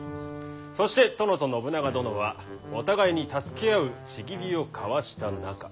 そして殿と信長殿はお互いに助け合う契りを交わした仲。